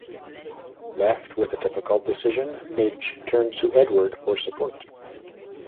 Left with a difficult decision, Midge turns to Edward for support.